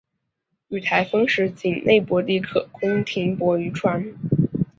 遇台风时仅内泊地可供停泊渔船。